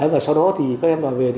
và sau đó thì các em vào về